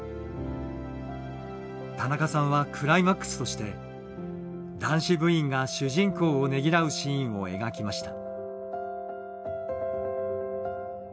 田中さんはクライマックスとして男子部員が主人公をねぎらうシーンを描きました。